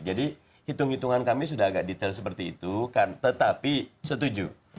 jadi hitung hitungan kami sudah agak detail seperti itu tetapi setuju